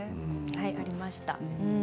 ありました。